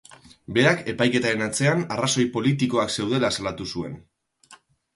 Berak epaiketaren atzean arrazoi politikoak zeudela salatu zuen.